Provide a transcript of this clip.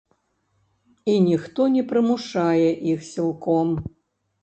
І ніхто не прымушае іх сілком.